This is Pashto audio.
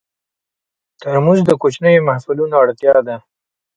ترموز د کوچنیو محفلونو اړتیا ده.